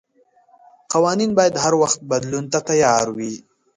قوانين بايد هر وخت بدلون ته تيار وي.